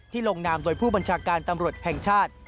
ลงนามโดยผู้บัญชาการตำรวจแห่งชาติ